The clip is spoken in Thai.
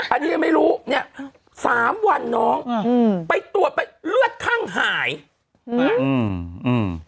อันนี้ยังไม่รู้เนี้ยสามวันน้องอืมไปตรวจไปเลือดข้างหายอืมอืม